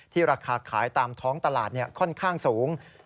ราคาขายตามท้องตลาดค่อนข้างสูง